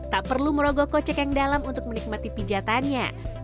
tak perlu merogoh kocek yang dalam untuk menikmati pijatannya